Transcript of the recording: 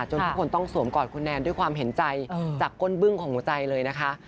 ทุกคนต้องสวมกอดคุณแนนด้วยความเห็นใจจากก้นบึ้งของหัวใจเลยนะคะ